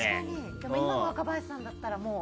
でも今の若林さんだったら。